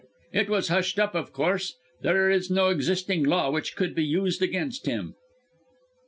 "It was hushed up, of course; there is no existing law which could be used against him."